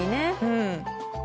うん。